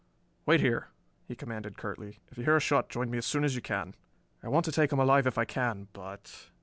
"Wait here," he commanded curtly. "If you hear a shot join me as soon as you can. I want to take him alive if I can, but...."